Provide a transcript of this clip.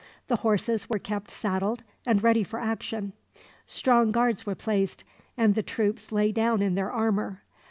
The horses were kept saddled, and ready for action. Strong guards were placed, and the troops lay down in their armor.